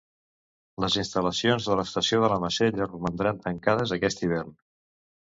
Les instal·lacions de l'estació de la Masella romandran tancades aquest hivern.